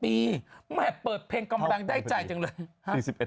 ปีแม่เปิดเพลงกำลังได้ใจจังเลย